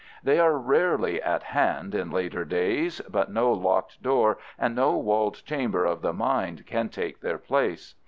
They are rarely at hand in later days, but no locked door and no walled chamber of the mind can take their place.